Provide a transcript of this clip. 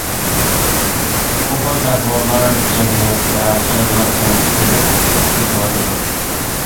بۇ خىل ئەھۋاللار جەمئىيەتتە خېلىلا ئەۋج ئېلىپ كېتىۋاتىدۇ.